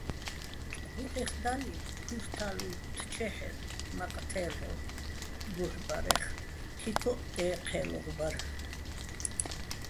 ბუჰ̦ეხ დალინო̆ ქუჲრთა́ლ უ́ჲთთჩეჰ̦ერ, მაყ თე́ლ'ორ ბუჰ̦ ბარეხ, ქიქოჸ ე ჴე́ლუღ ბარ.